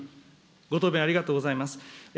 ご答弁ありがとうございます。